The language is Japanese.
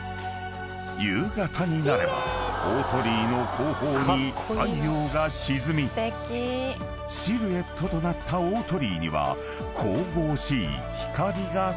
［夕方になれば大鳥居の後方に太陽が沈みシルエットとなった大鳥居には神々しい光が差す］